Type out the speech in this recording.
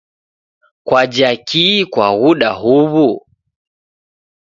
Kwaja kii kwaghuda huwu?